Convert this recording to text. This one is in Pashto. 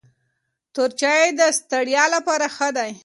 تور چای د ستړیا لپاره ښه دی.